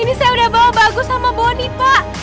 ini saya udah bawa bagus sama bodi pak